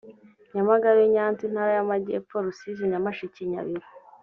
nyamagabe nyanza intara y amajyepfo rusizi nyamasheke nyabihu